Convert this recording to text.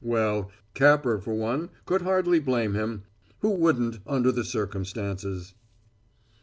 Well, Capper, for one, could hardly blame him; who wouldn't, under the circumstances?